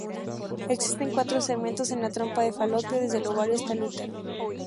Existen cuatro segmentos en la trompa de falopio, desde el ovario hasta el útero.